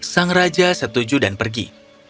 sang raja setuju dan pergi